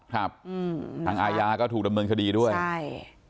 ครับอายาก็ถูกดำเนินคดีด้วย